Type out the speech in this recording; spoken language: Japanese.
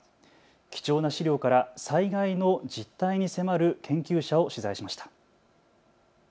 貴重な資料から災害の実態に迫る研究者を取材しました。